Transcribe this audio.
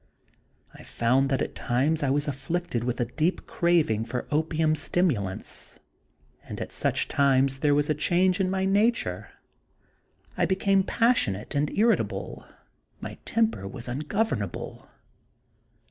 I found that at times I was afflicted with a Dr. Jekyll and Mr. Hyde. 35 deep craving for opium stimulants, and at such times there was a change in my na ture, ŌĆö I became passionate and irritable; my temper was ungovernable.